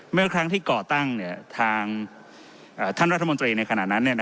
เมื่อครั้งที่ก่อตั้งทางท่านรัฐมนตรีในขณะนั้น